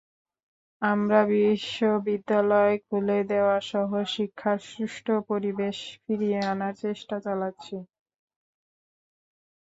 আমরা বিশ্ববিদ্যালয় খুলে দেওয়াসহ শিক্ষার সুষ্ঠু পরিবেশ ফিরিয়ে আনার চেষ্টা চালাচ্ছি।